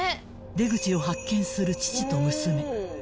［出口を発見する父と娘］